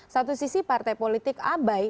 satu sisi partai politik abai